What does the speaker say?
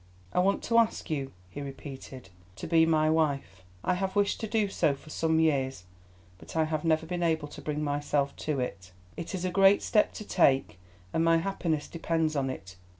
"I want to ask you," he repeated, "to be my wife. I have wished to do so for some years, but I have never been able to bring myself to it. It is a great step to take, and my happiness depends on it.